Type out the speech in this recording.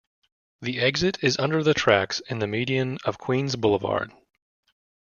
The exit is under the tracks in the median of Queens Boulevard.